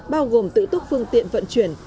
bao gồm tự túc phương tiện vận chuyển